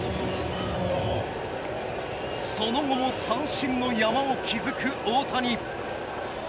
その後も三振の山を築く大谷。